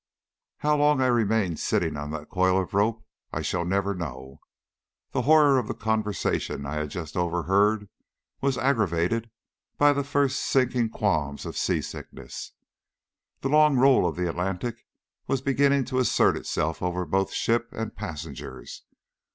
How long I remained sitting on that coil of rope I shall never know. The horror of the conversation I had just overheard was aggravated by the first sinking qualms of sea sickness. The long roll of the Atlantic was beginning to assert itself over both ship and passengers.